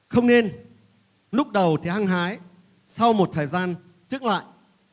không nên lúc đầu thì hăng hái sau một thời gian trước lại